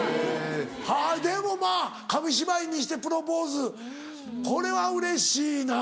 はぁでもまぁ紙芝居にしてプロポーズこれはうれしいな。